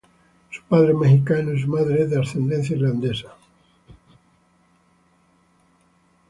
Su padre es mexicano y su madre es de ascendencia irlandesa.